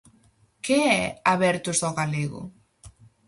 Que é "Abertos ao Galego"?